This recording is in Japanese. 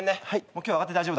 今日はあがって大丈夫だから。